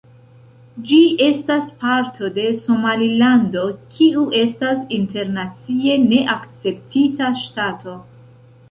Ĝi estas parto de Somalilando, kiu estas internacie ne akceptita ŝtato.